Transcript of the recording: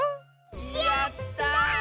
やった！